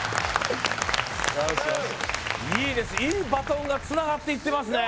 いいですいいバトンがつながっていってますね